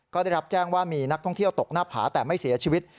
ก็ได้รับแจ้งว่ามีนักท่องเที่ยวตกหน้าผาแต่ไม่เสียชีวิต